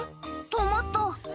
止まった」